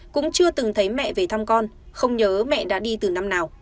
cũng chưa từng thấy mẹ về thăm con không nhớ mẹ đã đi từ năm nào